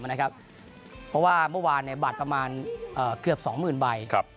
เพราะว่าเมื่อวานบัตรประมาณเกือบ๒๐๐๐ใบ